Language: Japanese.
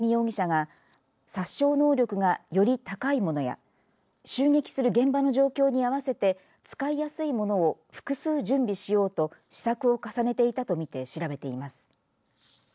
警察は、山上容疑者が殺傷能力がより高いものや襲撃する現場の状況に合わせて使いやすいものを複数準備しようと試作を重ねていたと見て調べています。